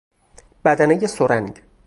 بدنهی سرنگ